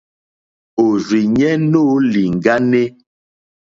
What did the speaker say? Òrzìɲɛ́ nóò lìŋɡáné.